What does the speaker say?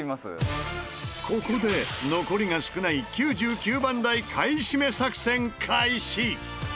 ここで残りが少ない９９番台買い占め作戦開始！